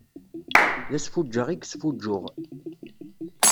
D asfuǧǧeɣ i yesfuǧǧuɣ.